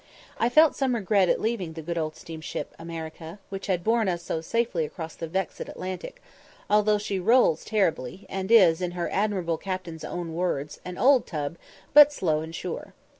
I felt some regret at leaving the good old steamship America, which had borne us so safely across the "vexed Atlantic," although she rolls terribly, and is, in her admirable captain's own words, "an old tub, but slow and sure."